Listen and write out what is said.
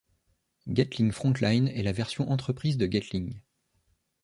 Gatling FrontLine est la version entreprise de Gatling.